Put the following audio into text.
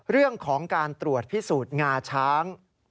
เรื่องของการตรวจพิสูจน์งาช้าง